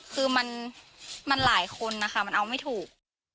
คือมันหลายคนนะคะมันเอาไม่ถูก